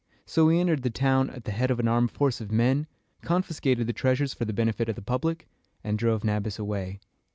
So he entered the town at the head of an armed force of men, confiscated the treasures for the benefit of the public, and drove Nabis away.